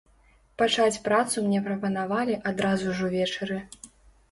Пачаць працу мне прапанавалі адразу ж увечары.